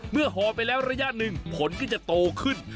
เมื่อหอไปแล้วระยะ๑ผลก็จะโตขึ้น